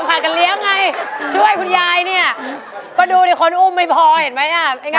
พากันเลี้ยงไงช่วยคุณยายเนี่ยก็ดูดิคนอุ้มไม่พอเห็นไหมอ่ะ